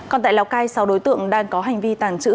còn tại lào cai sáu đối tượng đang có hành vi tàng trữ mua bán